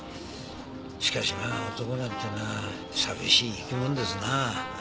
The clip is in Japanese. しかしまあ男なんてのは寂しい生き物ですなあ。